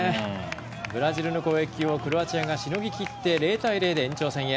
ブラジルの攻撃をクロアチアがしのぎ切って０対０で延長戦へ。